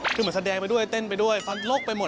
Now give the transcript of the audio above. คือเหมือนแสดงไปด้วยเต้นไปด้วยฟันลกไปหมด